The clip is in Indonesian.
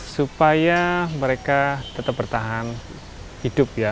supaya mereka tetap bertahan hidup ya